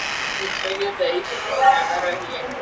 ya Kiswahili udhaifu wa nadharia hii ni kwamba